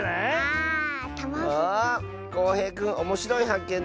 こうへいくんおもしろいはっけん